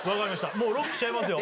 もうロックしちゃいますよ